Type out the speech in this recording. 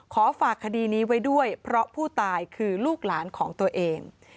ขอฝากคดีนี้ไว้ด้วยเพราะผู้ตายคือลูกหลานของตัวเอง